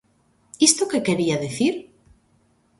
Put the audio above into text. ¿Isto que quería dicir?